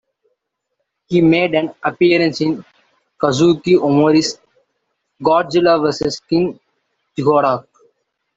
He made an appearance in Kazuki Omori's "Godzilla versus King Ghidorah".